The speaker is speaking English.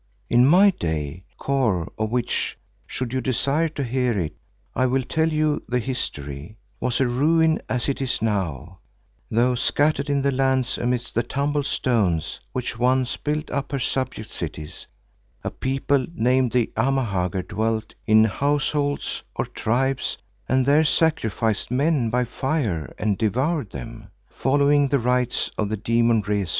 In my day Kôr, of which, should you desire to hear it, I will tell you the history, was a ruin as it is now, though scattered in the lands amidst the tumbled stones which once built up her subject cities, a people named the Amahagger dwelt in Households, or Tribes and there sacrificed men by fire and devoured them, following the rites of the demon Rezu.